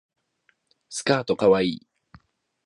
スカートかわいい